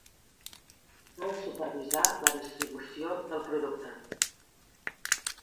Cal supervisar la distribució del producte.